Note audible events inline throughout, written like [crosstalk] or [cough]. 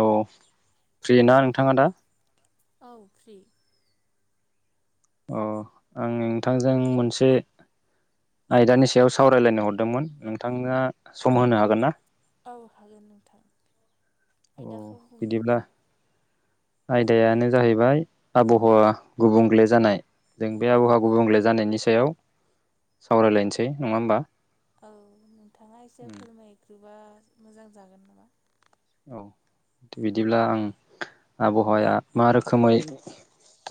औ फ्रि ना नोंथाङा दा औ फ्रि। अ आं नोंथांजों मोनसे आयदानि सायाव सावरायलायनो हरदोंमोन नोंथाङा सम होनो हागोन ना। औ हागोन नोंथां अ आयदाखौ बुंदो। बिदिब्ला आयदायानो जाहैबाय आबहावा गुबुंग्ले जानाय। जों बे औ आबहावा गुबुंले जानायनि सायाव सावरायलायनोसै नङा होमबा। औ नोंथाङा एसे फोरमायग्रोबा मोजां जागोन नामा। औ औ बिदिब्ला आं आबहावाया मा रोखोमै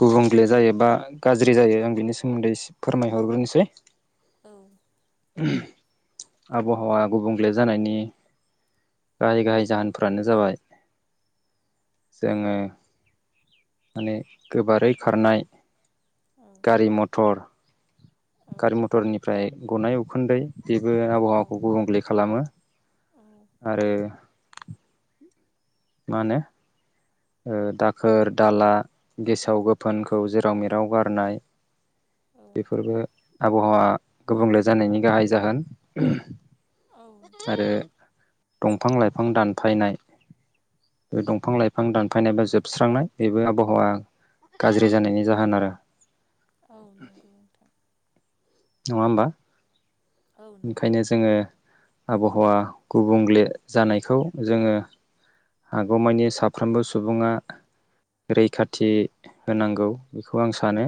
गुबुंग्ले जायोबा गाज्रि जायो आं बिनि सोमोन्दै इसे फोरमायहरग्रोनोसै। औ। आबहावा गुबुंले जानायनि गाहाय गाहाय जाहोनफ्रानो जाबाय जोङो माने गोबारै खारनाय। औ गारि मथर औ गारि मथरनिफ्राय गनाय उखुन्दै। बेबो औ आबहावाखौ गुबुंले खालामो औ आरो मानो ओ दाखोर दाला गेसाव गोफोनखौ जेराव मेराव गारनाय औ बेफोरबो आबहावा गुबुंले जानायनि गाहाय जाहोन। औ आरो दंफां लाइफां दानफायनाय बे दंफां लाइफां रां दानफायनाय बा जोबस्रांनाय बेबो आबहावा गाज्रि जानायनि जाहोन आरो औ नंगौ नोंथां। नङा होमबा? औ नंगौ ओंखायनो जोङो आबहावा गुबुंले जानायखौ जोङो हागौमानि साफ्रोमबो सुबुङा रैखाथि होनांगौ बेखौ आं सानो।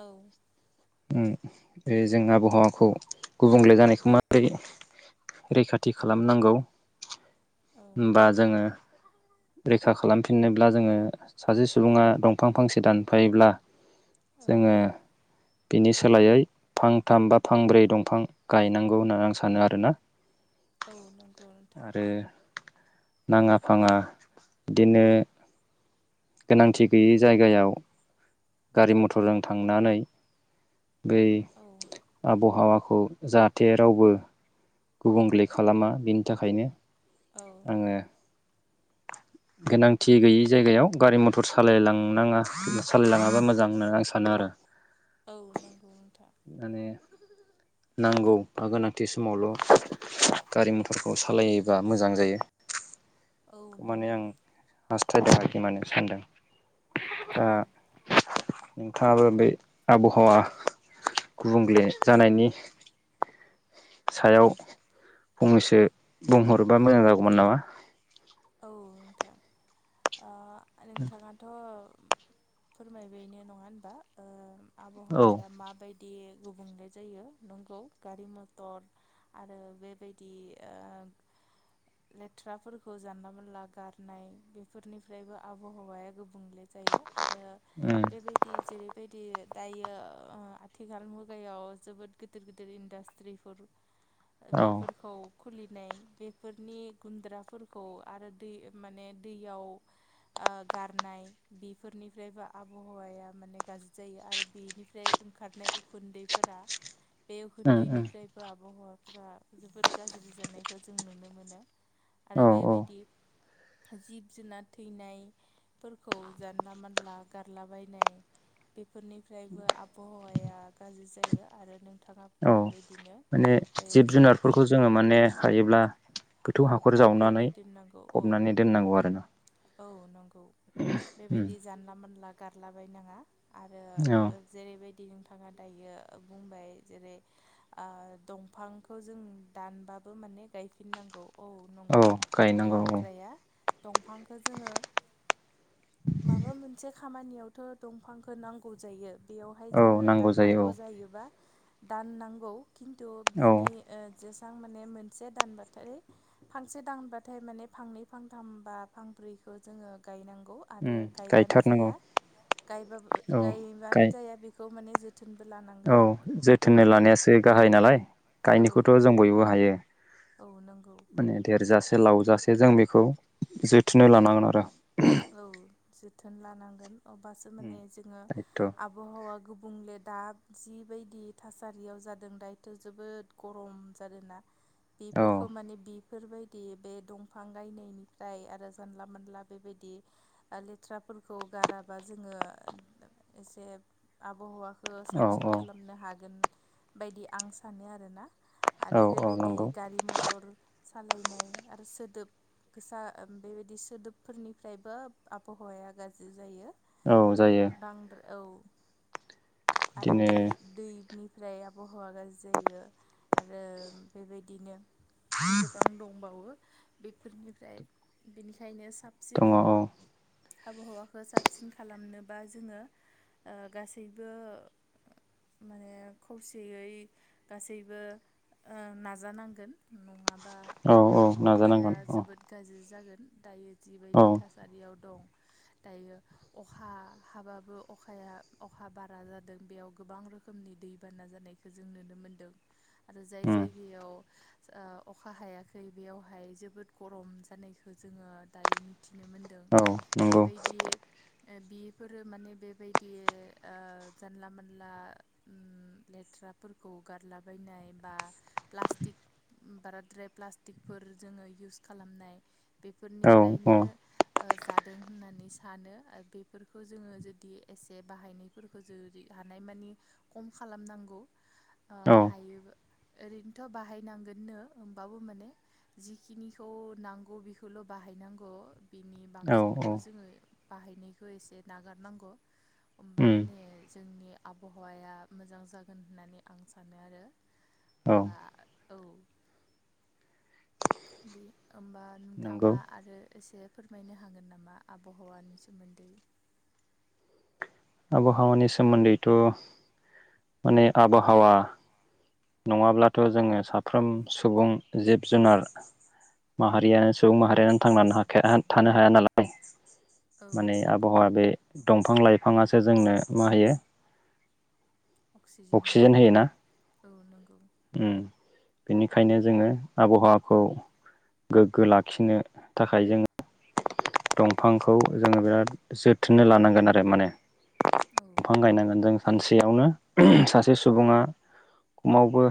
औ। ओम बे जों आबहावाखौ गुबुंले जानायखौ माबोरै रैखाथि खालामनांगौ औ होनबा जोङो रैखा खालामफिननोब्ला जोङो सासे सुबुङा दंफां फांसे दानफायोब्ला औ जोङो बिनि सोलायै फांथाम बा फांब्रै दंफां गायनांगौ होननानै आं सानो आरोना औ नंगौ नोंथां। आरो नाङा फाङा बिदिनो गोनांथि गैयै जायगायाव गारि मथरजों थांनानै बै औ आबहावाखौ जाहाथे रावबो गुबुंले खालामा बेनि थाखायनो औ आङो गोनांथि गैयि जायगायाव गारि मथर सालायलांनाङा सालायलाङाबा मोजां होननानै आं सानो आरो औ नंगौ नोंथां माने नांगौ बा गोनांथि समावल' गारि मथरखौ सालायोबा मोजां जायो औ नंगौ दों आरोखि मान सानदों दा औ नोंथाङाबो बे आबहावा गुबुंले जानायनि सायाव फंनैसो बुंहरोबा मोजां जागौमोन नामा औ नोंथां ओ नोंथाङाथ'ओ फोरमायबायनो नङा होनबा ओ औ आबहावाया माबायद दि गुबुंले जायो नंगौ गारि मथर आरो बेबायदि ओ लेथ्राफोरखौ जानला मोनला गारनाय बेफोरनिफ्रायबो आबहावाया गोब बुंले जायो आरो उम बेबायदि जेरैबायदि दायो ओ आथिखाल मुगायाव जोबोद गिदिर गिदिर इन्डास्ट्रिफोर औ बेफोरखौ खुलिनाय बेफोरनि गुन्द्राफोर खौ आरो दै माने दैयाव गारनाय बेफोरनिफ्रायबो आबहावाया माने गाज्रि जायो आरो बेनिफ्राय ओंखारनाय उखुन्दैफोरा बे उम उम उन्खुदैनिफ्रायबो आबहावाफ्रा जोबोद गाज्रि जानायखौ जों नुनो मोनो आरो औ औ बेबायदि जिब-जुनार थैनायफोरखौ जानला मानला गारलाबायनाय [inaudible] फोरनिफ्रायबो आबहावाया गाज्रि जायो आरो नों औ माने जिब जेरै जुनारफोरखौ जोङो माने हायोब्ला औ गोथौ हाखर फबनानै जावनानै दोननांगौ औ फबनानै दोननांगौ आरो ना। औ नंगौ बेबायदि जानला मोनला गारलाबायनाङा। आरो औ जेरैबाय दि नोंथाङा दायो बुंबाय जेरै ओ दफांखौ जों दानबा बो माने गायफिननांगौ औ नंगौ बे गायनांगौ औ बाथ्राया। दंफांखौ जोङो। माबा मोनसे खामानियावथ' दंफांखौ नांगौ जायो। बेयावहाय औ जोङो नांगौ जायो दाननांगौ जायोबा दाननांगौ खिन्थु औ बिनि ओ जेसेबां माने मोनसे दानबाथाय फांसे दानबाथाय माने फांनै फांथाम बा फांब्रैखौ जोङो गायनां गौ उम आरो गायबानो गायथारनांगौ जाया गायबा औ गायबानो गाय जाया बेखौ माने ज औ जोथोनै लानायासो गाहाइ नालाय औ गायनायखौथ' जों बयबो हायो। औ नंगौ माने देरजासे लावजासे जों बेखौ। जोथोनाय लानांगोन आरो। औ जोथोन लानांगोन अब्लासो उम माने जोङो दायथ' आबहावा गु बुंले दा जिबायदि थासारियाव जादों दायोथ' जोबोद गरम जादों ना। औ बेफोरखौ माने बि बेफोरबायदि बे दंफां गायनायनिफ्राय आरो जानला मोनला बेबायदि लेथ्राफोरखौ गाराबा जोङो एसे आबहावा खो औ साबसिन औ खालामनो हागोन बायदि आं सानो आरोना। औ आरो औ बेबायदि नंगौ गारि मथर सालायनाय आरो सोदोब गोसा बेबायदि सोदोबफोरनि फ्रायबो आबहावाया गाज्रि जायो औ जायो बांद्राय औ। आरो बिदिनो दै दै। निफ्राय आबहावा गाज्रि जायो आरो बेबायदिनो गोबां दंबावो बेफोरनिफ्राय बेनिखायनो सा दङ औ। आबहावाखौ साबसिन खालामनोबा जोङो ओ गासैबो माने खौसेयै गासैबो ओ नाजानांगोन नङाब बा औ औ आबहावाया नाजानांगोन औ जोबोद गाज्रि जागोन दायो औ जिबायदि थासारियाव दं। [inaudible] दायो अखा हाबाबो अखाया अखा बारा जादों बेयाव गोबां रोखोमनि दै बाना जानायखो जों नुनो मोनदों आरो जाय उम जायगायाव ओ अखा हायाखै बेयावहाय जोबोद गरम जानायखौ जोङो दायो मि थिनो मोनदों औ नंगौ बेबायदि। बिफोरो माने बेबायदि ओ जानला मोनला उम लेथ्रा फोरखौ गारला बानाय बा प्लास्टिक बाराद्राय प्लास्टिकफोर जोङो इउस खालामनाय औ औ बेफोरनिफ्रायनो ओ जादों होननानै सानो बेफोरखौ जोङो जुदि एसे बाहायनायफोरखौ जुदि हानाय मानि खम खालामनांगौ ओ औ हायोब ओरैनोथ' बाहायनांगोननो होमबाबो माने जिखिनिखौ नांगौ बेखौल' बा हायनांगौ बिनि औ औ बांसिनखौ जोङो बाहायनायखौ एसे नागारनांगौ। होमबा उम माने जोंनि आबहावाया मोजां जागोन होननानै आं सानो आरो। औ बा औ। बि होमबा नंगौ नोंथाङा आरो एसे फोरमायनो हागोन नामा आबहावानि सोमोन्दै। आबहावानि सोमोन्दैथ' माने आबहावा नङाब्लाथ' जोङो साफ्रोम सुबुं जिब जुनार माहारियानो सुबुं माहारियानो थांनो हाया थानो हाया नालाय। औ माने नंगौ आबहावा बे दंफां लाइफाङासो जोंनो मा होयो? अक्सिजेन होयो औ नोंगौ। उम बेनिखायनो जोङो आबहावाखौ गोग्गो लाखिनो थाखाय जोङो दंफांखौ जोङो बिराद जोथोनै लानांगोन आरो माने। औ दंफां नंगौ गायनांगोन जों सानसेयावनो सासे सुबुङा खमावबो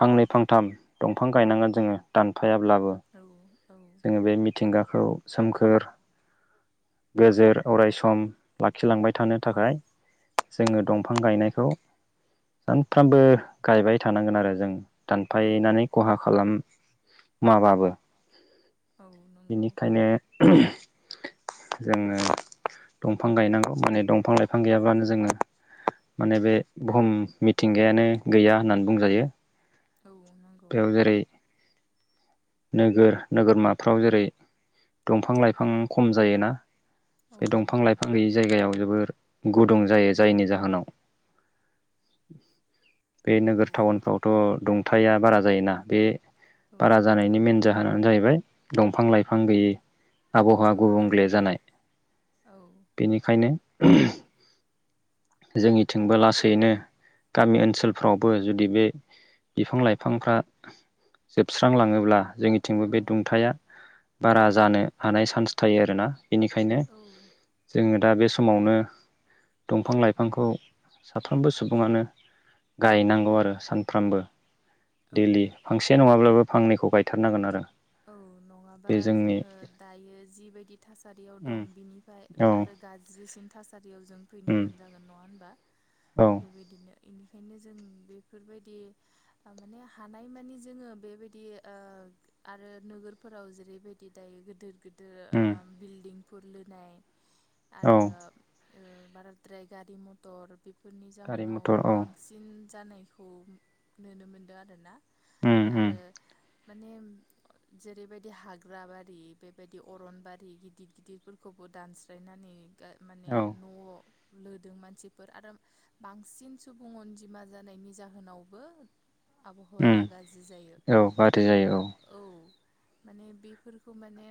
फांनै फांथाम दंफां गायनांगोन जोङो दानफायाब्लाबो। औ औ जोङो बे मिथिंगाखौ सोमखोर गोजोर अराय सम लाखिलांबाय थानो थाखाय। औ जोङो दंफां नंगौ गायनायखौ सानफ्रामबो गायबाय थानांगोन आरो जों। औ दानफायनानै खहा खालामाबाबो। औ नंगौ बेनिखायनो जोङो दंफां गायनांगौ माने दंफां लाइफां गैयाबानो जोङो। माने बे बुहुम मिथिंगायानो गैया होननानै बुंजायो। औ नंगौ बेआव जेरै नोगोर नोगोरमाफ्राव जेरै दंफां लाइफां खम जायोना। औ बे दंफां नंगौ लाइफां गैयि जायगायाव जोबोर गुदुं जायो। जायनि जाहोनाव बे औ नोगोर टाउनफ्रावथ' दुंथाया बारा जायोना। बे औ बारा नंगौ जानायनि मेन जाहोनानो जाहैबाय दंफां लाइफां गैयै। आबहावाया औ-औ-औ-औ-औ गुबुंले जानाय। बेनिखायनो जोंनिथिंबो लासैनो गामि ओनसोलफ्रावबो जुदि बे बिफां लाइफांफ्रा जोब स्रांलाङोब्ला जोंनिथिंबो औ बे दुंथाया बारा जानो हानाय चान्स थायो आरोना। बेनिखायनो औ जोङो दा बे समावनो दंफां लाइफांखौ साफ्रोमबो सुबुङानो गायनांगौ आरो सानफ्रोमबो। औ दैलि फांसे नङाब्लाबो फांनैखौ गायथारनांगोन आरो। औ नङाबा बे जोंनि जोङो दायो जिबायदि थासारियाव उम दं। बिनिफ्राय औ आरो गाज्रिसिन थासारियाव जों उम फैनांगोन जागोन नङा होनबा। औ बेबायदिनो [inaudible] बेनिखायनो जों बेफोरबायदि ओ माने हानाय मानि जोङो बेबायदि आ आरो नोगोरफोराव जेरैबायदि दायो गोदोर गोदोर उम बिल्डिंफोर लोनाय। औ आरो ओ बाराद्राय गारि मटर बे फोरनि गारि जाहोनाव मथर औ बांसिन जानायखौ नोनो मोनदों आरो ना। उम उम आरो माने जेरैबायदि हाग्रा बारि बेबायदि अरनबारि गिदिर गिदिरफोरखौबो दानस्रायनानै गा माने औ न'आव लोदों मानसिफोर। आरो बांसिन सुबुं अनजिमा जानायनि जाहोनावबो उम आबहावाया गाज्रि जायो औ गाज्रि अबा जायो औ [inaudible] माने बेफोरखौ माने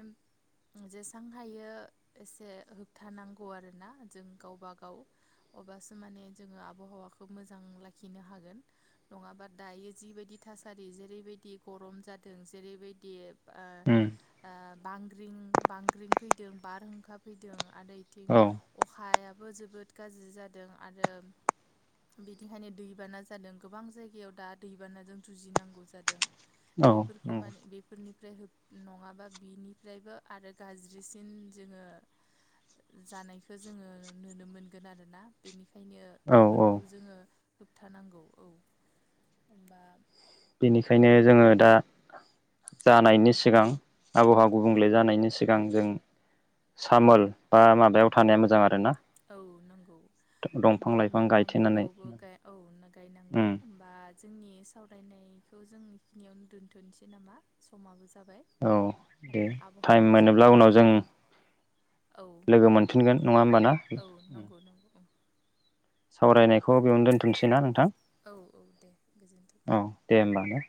उम जेसां हायो एसे होबथानांगौ आरोना जों गावबा गाव अब्लासो माने जोङो आबहावाखौ मोजां लाखिनो हागोन। नङाबा दायो जिबायदि थासारि जेरैबायदि गरम जादों जेरैबायदि आ उम आ बांग्रिं बांग्रिं फैदों। बारहुंखा फैदों, आरो इथिं औ अखाया बो जोबोद गाज्रि जादों। आरो बिदिखायनो दैबाना जादों गोबां जायगायाव दा दैबानाजों जुजिनांगौ जादों। बेफोरखौ नंगौ माने बेफोरनि फ्राय होब नङाबा बिनिफ्रायबो आरो गाज्रिसिन जोङो। जानायखौ जोङो नुनो मोनगोन आरोना बेनिखायनो ओंखायनो औ औ बेफोरखौ जोङो होबथानांगौ औ हबा बेनिखायनो जोङो दा जानायनि सिगां आबहावा गुबुंले जानायनि सिगां जों सामोल बा माबायाव थानाया मोजां आरो ना औ नंगौ ओंखायनो लाइफां गायथेनानै दंफांफोरखौबो औ गायनांगौ उम होमबा जोंनि सावरायनायखौ जों बेखिनियावनो दोन्थ'नोसै नामा समाबो जों औ दे टाइम मोनोब्ला उनाव जों औ लोगो औ मोनफिनगोन नंङा होमबा ना औ नंगौ नंगौ सावरायनायखौ बेयावनो दोनथ'सै ना नोंथां औ औ दे गोजोन्थों औ दे होमबा ने